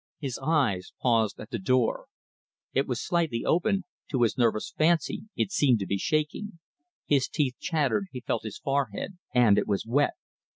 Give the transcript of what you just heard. His eyes paused at the door. It was slightly open, to his nervous fancy it seemed to be shaking. His teeth chattered, he felt his forehead, and it was wet.